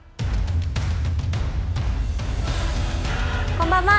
こんばんは。